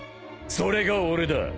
それが俺だ。